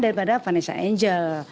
daripada vanessa angel